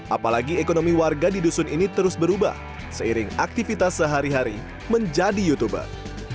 apalagi ekonomi warga di dusun ini terus berubah seiring aktivitas sehari hari menjadi youtuber